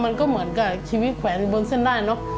มันก็เหมือนกับชีวิตแขวนอยู่บนเส้นได้เนอะ